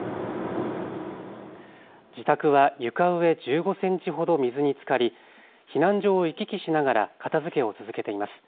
自宅は床上１５センチほど水につかり、避難所を行き来しながら片づけを続けています。